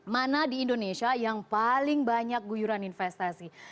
mana di indonesia yang paling banyak guyuran investasi